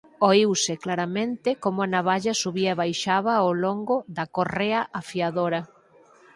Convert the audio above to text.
Oíuse claramente como a navalla subía e baixaba ao longo da correa afiadora.